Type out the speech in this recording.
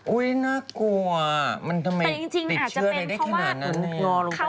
อุ๊ยน่ากลัวมันทำไมติดเชื้อในอย่างนั้น